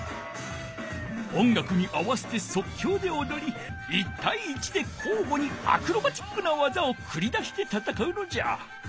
音楽に合わせてそっきょうでおどり１対１でこうごにアクロバティックなわざをくりだしてたたかうのじゃ！